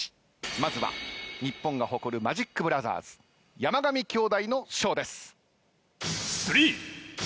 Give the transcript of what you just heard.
まずは日本が誇るマジックブラザーズ山上兄弟のショーです。